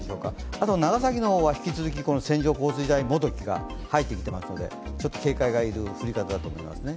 あと長崎の方は引き続き、線状降水帯もどきが入ってきてますのでちょっと警戒が要る降り方だと思いますね。